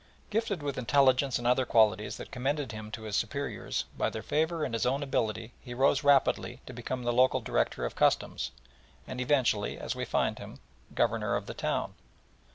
Gifted with intelligence and other qualities that commended him to his superiors, by their favour and his own ability he rose rapidly to become the local Director of Customs, and eventually, as we find him, Governor of the town.